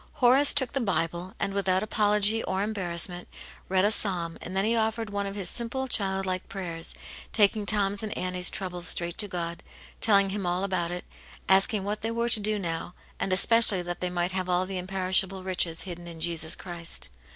Horace took the Bible, and without apology or embarrassment, read a Psalm, and then he offered one of his simple, child like prayers, taking Tom's and Annie's trouble straight to God, telling Him all about it, asking what they were to do now, and especially that they might have all the imperishable riches hidden in Jesus Christ.